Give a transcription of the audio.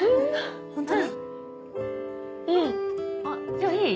じゃいい？